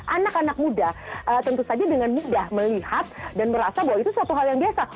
anak anak muda tentu saja dengan mudah melihat dan merasa bahwa itu suatu hal yang biasa